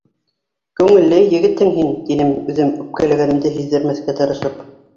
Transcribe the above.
— Күңелле егетһең һин, — тинем үҙем, үпкәләгәнемде һиҙҙермәҫкә тырышып.